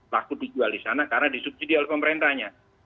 laku dijual di sana karena disubsidi oleh pemerintahnya